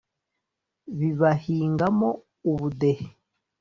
bibahingamo ubudehe